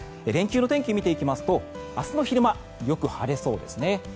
連休の天気を見ていきますと明日の昼間よく晴れそうですね。